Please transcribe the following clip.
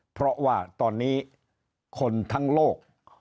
เพราะว่าตอนนี้คนทั้งโลก